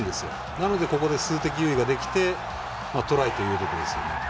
なので、ここで数的優位ができてトライということですよね。